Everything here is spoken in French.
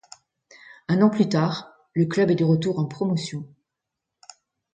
Un an plus tard, le club est de retour en Promotion.